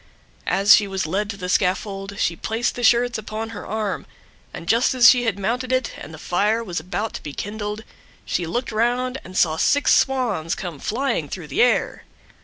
As she was led to the scaffold she placed the shirts upon her arm, and just as she had mounted it, and the fire was about to be kindled, she looked round, and saw six Swans come flying through the air.